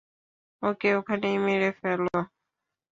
ওকে ওখানেই মেরে ফেল।